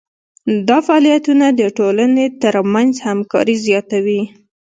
دا فعالیتونه د ټولنې ترمنځ همکاري زیاتوي.